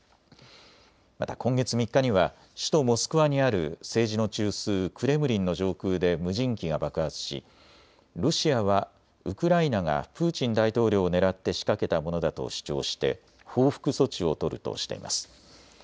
また今月３日には首都モスクワにある政治の中枢、クレムリンの上空で無人機が爆発しロシアはウクライナがプーチン大統領を狙って仕掛けたものだと主張して報復措置を取るとしています。